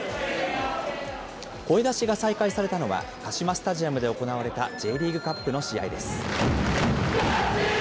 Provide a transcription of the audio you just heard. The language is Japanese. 声出しが再開されたのは、カシマスタジアムで行われたＪリーグカップの試合です。